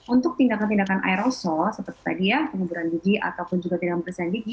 untuk tindakan tindakan aerosol seperti tadi ya penguburan gigi ataupun juga tindakan bersihkan gigi